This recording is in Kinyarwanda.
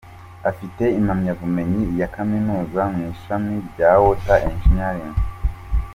Afite impamyabumenyi ya Kaminuza mu ishami rya Water Engineering.